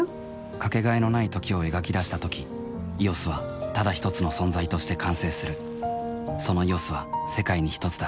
かけがえのない「時」を描き出したとき「ＥＯＳ」はただひとつの存在として完成するその「ＥＯＳ」は世界にひとつだ